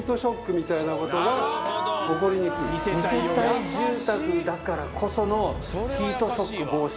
二世帯住宅だからこそのヒートショック防止。